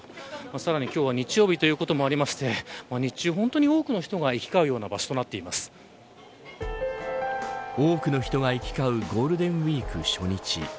さらに今日は日曜日ということもあって日中、本当に多くの人が行き交うような場所多くの人が行き交うゴールデンウイーク初日。